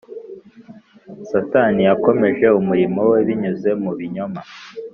Satani yakomeje umurimo we binyuze mu binyoma